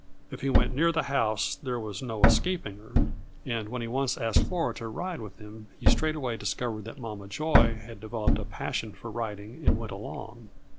If he went near the house there was no escaping her. And when he once asked Flora to ride with him he straightway discovered that Mama Joy had developed a passion for riding and went along.